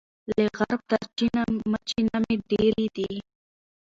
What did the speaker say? له عرب تر چین ماچینه مي دېرې دي